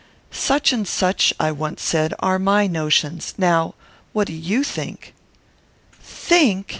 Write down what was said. "Such and such," I once said, "are my notions; now, what do you think?" "Think!"